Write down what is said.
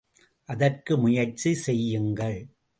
அதற்கு முயற்சி செய்யுங்கள்!